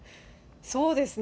そうですね。